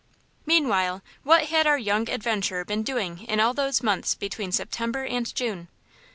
MEANWHILE, what had our young adventurer been doing in all those months between September and June!